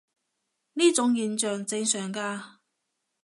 呢種現象正常嘅